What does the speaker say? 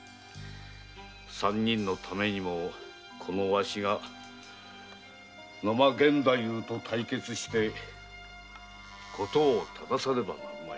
三人のためにもこのわしが野間源太夫と対決して事をたださねばなるまい。